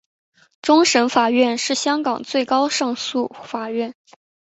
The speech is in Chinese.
终审法院是香港最高的上诉法院。